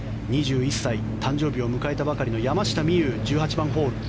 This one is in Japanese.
２１歳、誕生日を迎えたばかりの山下美夢有１８番ホール。